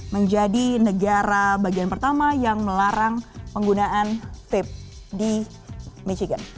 menjadi negara bagian pertama yang melarang penggunaan vape di michigan